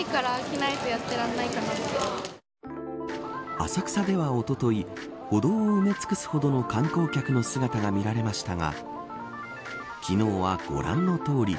浅草では、おととい歩道を埋め尽くすほどの観光客の姿が見られましたが昨日はご覧の通り。